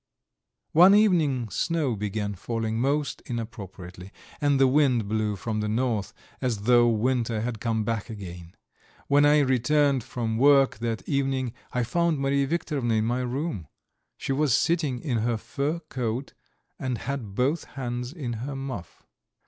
One evening snow began falling most inappropriately, and the wind blew from the north as though winter had come back again. When I returned from work that evening I found Mariya Viktorovna in my room. She was sitting in her fur coat, and had both hands in her muff.